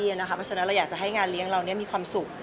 เพราะฉะนั้นเราอยากจะให้งานเลี้ยงเรามีความสุข